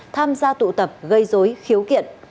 tham gia tụ tập gây dối khiếu kiện